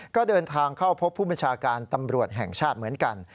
ก็เดินทางเข้าพบผู้บัญชาการตำรวจแห่งชาติเหมือนกัน